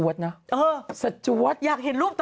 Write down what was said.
ก่อนหน้านี้ที่ตีปริงปองอ่ะไปแข่งซีเกมอ่ะ